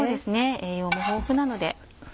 栄養も豊富なので。